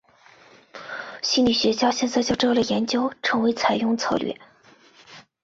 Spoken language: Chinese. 心理学家现在将这类研究称为采用策略。